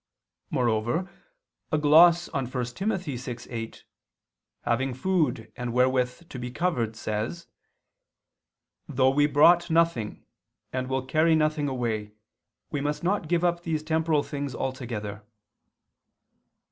Moreover a gloss on 1 Tim. 6:8, "Having food, and wherewith to be covered," says: "Though we brought nothing, and will carry nothing away, we must not give up these temporal things altogether."